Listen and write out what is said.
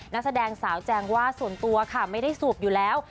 นักแสดงสาวแจงว่าส่วนตัวค่ะไม่ได้สูบอยู่แล้ว